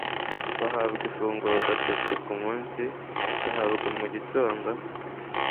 bahabwa ifunguro gatatu ku munsi bahabwa mu gitondo